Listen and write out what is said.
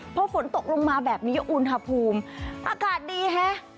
พอฝนตกลงมาแบบนี้อุณหภูมิอากาศดีฮะ